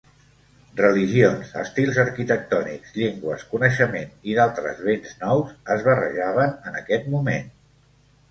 Religions, estils arquitectònics, llengües, coneixement i d'altres bens nous es barrejaven en aquest moment.